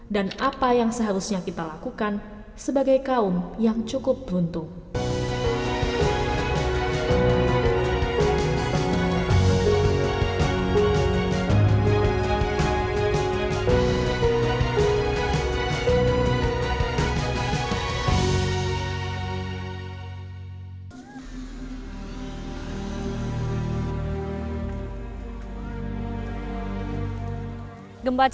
dan apa yang seharusnya kita lakukan sebagai kaum yang cukup beruntung